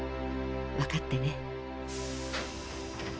わかってね」。